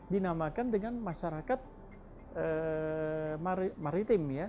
dinamakan dengan masyarakat maritim